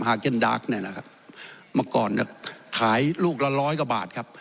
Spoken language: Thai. ฮาเก็นดาร์คเนี่ยนะครับมาก่อนเนี่ยขายลูกละร้อยกว่าบาทครับ